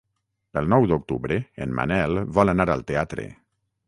El nou d'octubre en Manel vol anar al teatre.